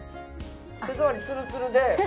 手触りツルツルで。